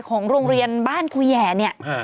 ของโรงเรียนบ้านครูแหย่